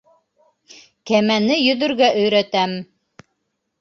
КӘМӘНЕ ЙӨҘӨРГӘ ӨЙРӘТӘМ...